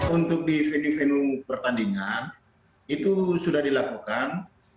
untuk di venue venue pertandingan itu sudah dilakukan